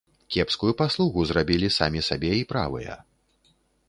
Кепскую паслугу зрабілі самі сабе і правыя.